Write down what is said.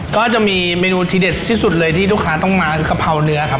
ก็จะมีเมนูที่เด็ดที่สุดเลยที่ลูกค้าต้องมากะเพราเนื้อครับ